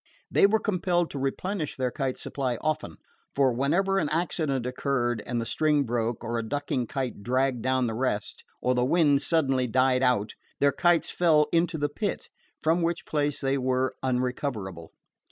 They were compelled to replenish their kite supply often; for whenever an accident occurred, and the string broke, or a ducking kite dragged down the rest, or the wind suddenly died out, their kites fell into the Pit, from which place they were unrecoverable.